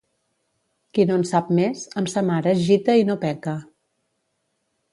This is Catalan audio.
Qui no en sap més, amb sa mare es gita i no peca.